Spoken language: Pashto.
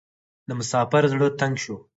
د مسافر زړه تنګ شو .